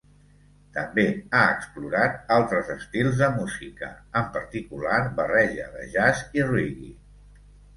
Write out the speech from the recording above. També ha explorat altres estils de música, en particular barreja de jazz i reggae.